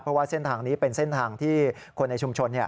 เพราะว่าเส้นทางนี้เป็นเส้นทางที่คนในชุมชน